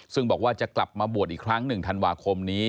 ซึ่งบอกว่าจะกลับมาบวชอีกครั้ง๑ธันวาคมนี้